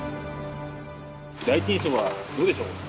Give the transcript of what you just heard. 第一印象はどうでしょう？